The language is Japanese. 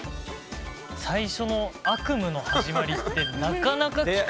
最初の「悪夢の始まり」ってなかなか聞かない。